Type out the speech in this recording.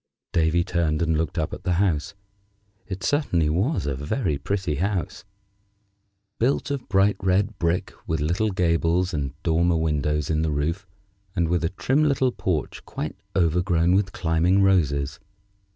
Davy turned and looked up at the house. It certainly was a very pretty house, built of bright red brick, with little gables, and dormer windows in the roof, and with a trim little porch quite overgrown with climbing roses.